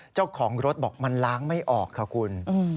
เจ้าของรถบอกมันล้างไม่ออกค่ะคุณ